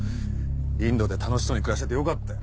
インドで楽しそうに暮らしててよかったよ。